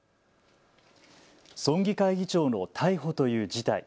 村議会議長の逮捕という事態。